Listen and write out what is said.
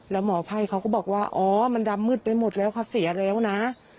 แล้วหมอไพ่เขาก็บอกว่าอ๋อมันดำมืดไปหมดแล้วเขาเสียแล้วนะ